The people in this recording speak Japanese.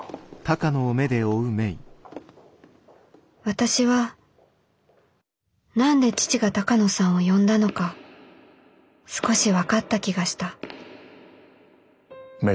私は何で父が鷹野さんを呼んだのか少し分かった気がした芽依。